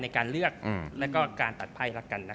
ในการเลือกและการตัดไพ่